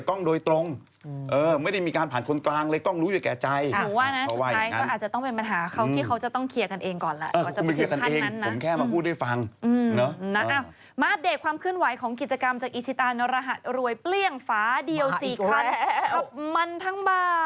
ขับมันทั้งบานตอนนี้แจกไปแล้วเกือบ๔๐๐รางวัลนะครับ